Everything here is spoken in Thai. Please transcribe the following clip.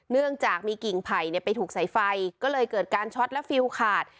เนื่องจากมีกิ่งไผ่ไปถูกสายไฟก็เลยเกิดการช็อตและฟิลขาด